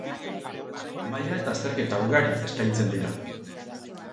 Maila eta azterketa ugari eskaintzen dira.